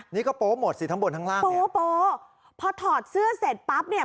นี่ก็โป๊หมดสิข้างบนข้างล่างโป๊พอถอดเสื้อเสร็จปั๊บเนี่ย